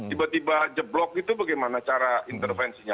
tiba tiba jeblok itu bagaimana cara intervensinya